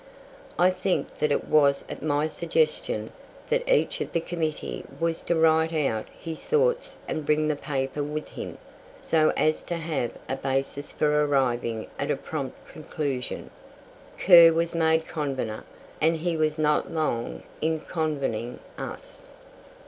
I think that it was at my suggestion that each of the committee was to write out his thoughts and bring the paper with him, so as to have a basis for arriving at a prompt conclusion. Kerr was made convener, and he was not long in convening us.